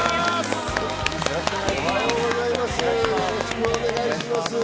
よろしくお願いします。